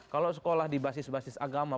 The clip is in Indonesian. kalau sekolah dibasis basis agama